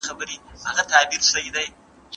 د ټولنې د پېژندنې کړنلاره د سمي مطالعه سوې.